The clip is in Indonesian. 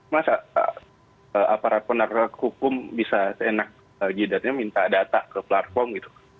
masa aparat penegak hukum bisa seenak jidatnya minta data ke platform gitu